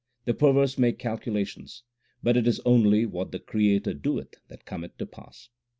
The perverse make calculations, but it is only what the Creator doeth that cometh to pass.